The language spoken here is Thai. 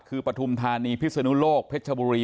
คือปฐุมธานีพิศนุโลกเพชรชบุรี